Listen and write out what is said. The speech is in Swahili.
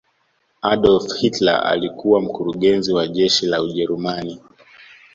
adolf hilter alikuwa mkurugezi wa jeshi la ujerumani